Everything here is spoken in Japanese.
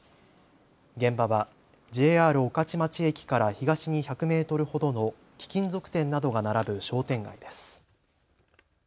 現場はＪＲ御徒町駅から東に１００メートルほどの貴金属店などが並ぶ商店街です。